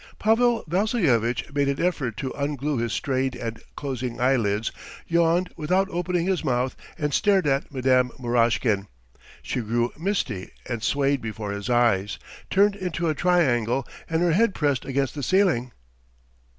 ..." Pavel Vassilyevitch made an effort to unglue his strained and closing eyelids, yawned without opening his mouth, and stared at Mme. Murashkin. She grew misty and swayed before his eyes, turned into a triangle and her head pressed against the ceiling.